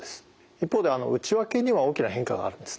一方で内訳には大きな変化があるんですね。